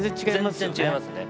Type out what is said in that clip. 全然違いますね。